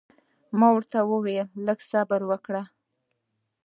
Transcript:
ما ورته وویل لږ صبر وکړه.